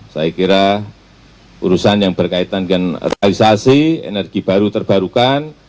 saya kira urusan yang berkaitan dengan realisasi energi baru terbarukan